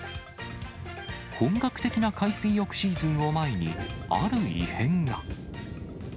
本格的な海水浴シーズンを前に、ある異変が。